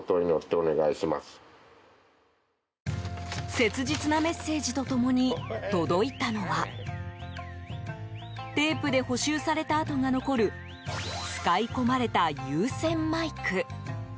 切実なメッセージと共に届いたのはテープで補修された跡が残る使い込まれた有線マイク。